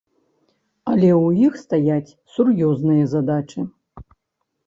Але ў іх стаяць сур'ёзныя задачы.